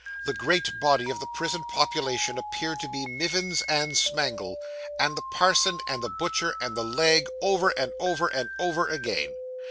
The great body of the prison population appeared to be Mivins, and Smangle, and the parson, and the butcher, and the leg, over and over, and over again.